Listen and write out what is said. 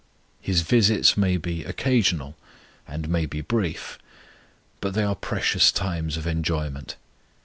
His visits may be occasional and may be brief; but they are precious times of enjoyment.